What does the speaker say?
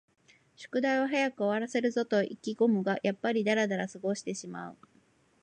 宿題を早く終わらせるぞと意気ごむが、やっぱりだらだら過ごしてしまう